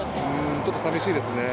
ちょっと寂しいですね。